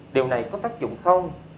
điều này có tác dụng không